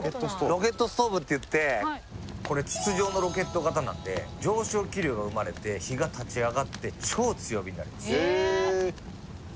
ロケットストーブっていってこれ筒状のロケット形なんで上昇気流が生まれて火が立ち上がって超強火になります